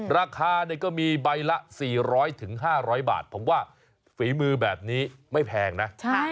ราคาก็มีใบละ๔๐๐๕๐๐บาทผมว่าฝีมือแบบนี้ไม่แพงนะ